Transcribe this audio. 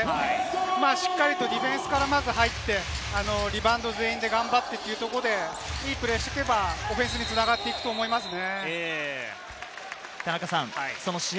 しっかりとディフェンスから入って、リバウンド全員に頑張ってというところでプレーをしていけば、オフェンスにつながっていくと思いますね。